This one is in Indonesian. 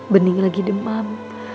bening lagi demam